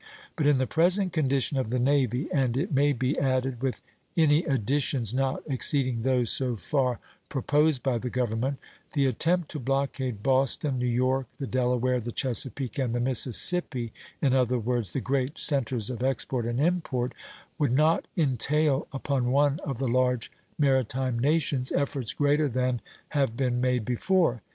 But in the present condition of the navy, and, it may be added, with any additions not exceeding those so far proposed by the government, the attempt to blockade Boston, New York, the Delaware, the Chesapeake, and the Mississippi, in other words, the great centres of export and import, would not entail upon one of the large maritime nations efforts greater than have been made before.